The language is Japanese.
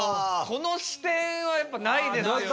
この視点はやっぱないですよね。